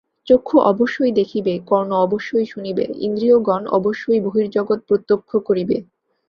চক্ষু অবশ্যই দেখিবে, কর্ণ অবশ্যই শুনিবে, ইন্দ্রিয়গণ অবশ্যই বহির্জগৎ প্রত্যক্ষ করিবে।